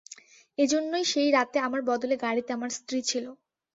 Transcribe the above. এজন্যই সেই রাতে আমার বদলে গাড়িতে আমার স্ত্রী ছিল।